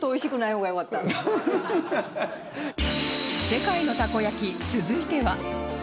世界のたこ焼き続いては